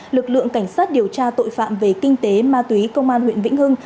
lực lượng cảnh sát điều tra tội phạm về kinh tế ma túy công an huyện vĩnh hưng